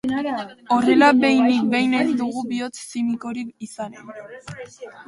Horrela behinik behin ez dugu bihotz-zimikorik izanen.